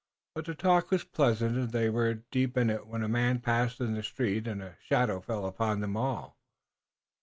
But the talk was pleasant, and they were deep in it when a man passed in the street and a shadow fell upon them all.